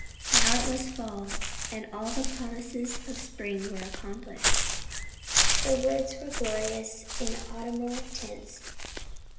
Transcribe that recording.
Now it was fall, and all the promises of spring were accomplished. The woods were glorious in autumnal tints.